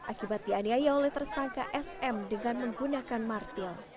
akibat dianiaya oleh tersangka sm dengan menggunakan martil